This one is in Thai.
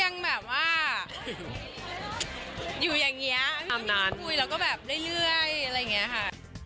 ก็ยังแบบว่าอยู่อย่างเงี้ยไม่ได้พูดแล้วก็แบบได้เรื่อยอะไรอย่างเงี้ยค่ะ